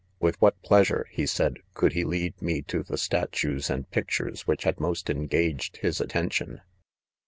"With what pleasure/' he said s " could he lead, me to the statues and pic« lures which had most engaged his attention.